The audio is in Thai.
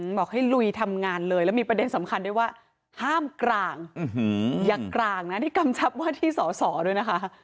บอกให้ลุยทำงานเลยแล้วมีประเด็นสำคัญด้วยว่าห้ามกลางอย่ากลางนะที่กำชับว่าที่สอสอด้วยนะคะ